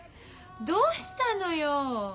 どうしたのよ。